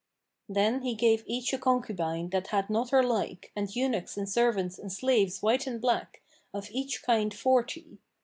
Then he gave each a concubine that had not her like, and eunuchs and servants and slaves white and black, of each kind forty.